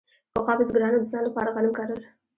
پخوا بزګرانو د ځان لپاره غنم کرل.